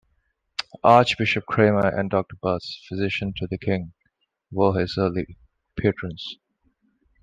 Archbishop Cranmer and Doctor Butts, physician to the king, were his early patrons.